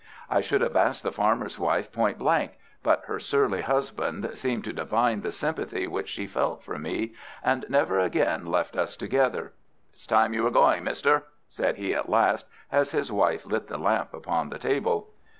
I should have asked the farmer's wife point blank, but her surly husband seemed to divine the sympathy which she felt for me, and never again left us together. "It's time you were going, mister," said he at last, as his wife lit the lamp upon the table.